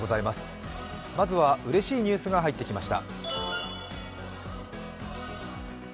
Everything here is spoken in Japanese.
まずはうれしいニュースが入ってきました。